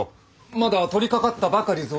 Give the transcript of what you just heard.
まだ取りかかったばかりぞ。